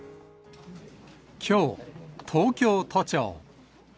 きょう、東京都庁。